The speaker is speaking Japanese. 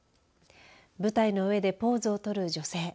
舞台の上でポーズをとる女性。